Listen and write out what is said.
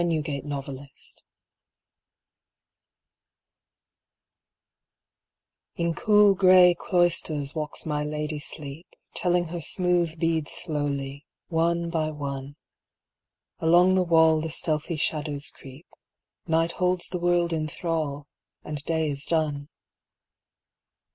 MY LADY SLEEP In cool gray cloisters walks my Lady Sleep, Telling her smooth beads slowly, one by one ; Along the wall the stealthy shadows creep ; Night holds the world in thrall, and day is done.